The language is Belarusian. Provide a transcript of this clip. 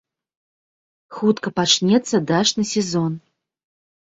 Хутка пачнецца дачны сезон.